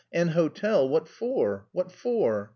An hotel! What for? What for?"